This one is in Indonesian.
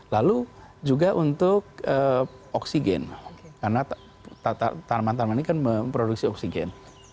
lalu juga untuk oksigen karena tanaman tanaman ini kan memproduksi oksigen